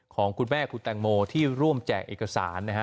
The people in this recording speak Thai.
ของคุณแม่คุณแตงโมที่ร่วมแจกเอกสารนะฮะ